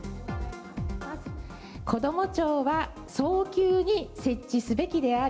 こども庁は早急に設置すべきである。